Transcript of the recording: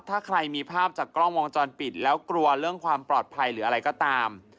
ถ้าใครมีภาพจากกล้องวงจรปิดแล้วกลัวเรื่องความปลอดภัยหรืออะไรก็ตาม